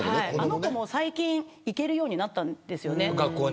あの子も最近、学校に行けるようになったんです。